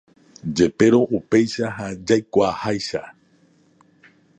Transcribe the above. Jepérõ upéicha ha jaikuaaháicha.